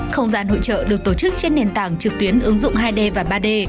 không gian hội trợ được tổ chức trên nền tảng trực tuyến ứng dụng hai d và ba d